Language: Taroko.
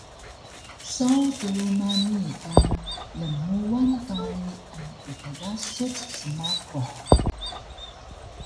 Saw truma nii ka lnmuan kari emptgasuc smapuh